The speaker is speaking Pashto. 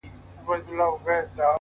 د زړورتیا اصل د وېرې منل دي’